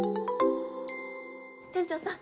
店長さん